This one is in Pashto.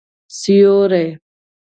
سیوری